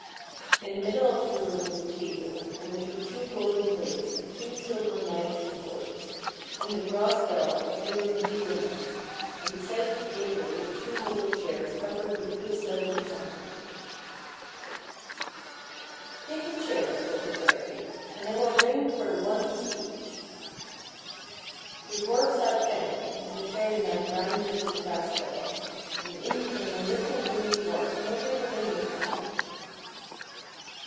In the middle of the room was a table, on which were two golden plates and two silver knives and forks, and a brass bell as big as a hazelnut, and beside the table were two little chairs covered with blue silk and satin. PRINCESS AND DWARF 153 " Take a chair," said the fairy, " and I will ring for the wand of speech." The dwarf sat down, and the fairyman rang the little brass bell, and in came a little weeny dwarf no bigger than your hand.